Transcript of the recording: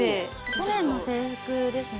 去年の制服ですね。